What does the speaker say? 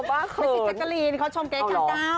เมซิเก็กเกอรีนเขาชมแก๊กเก้า